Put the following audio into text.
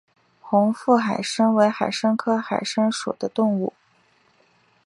红腹海参为海参科海参属的动物。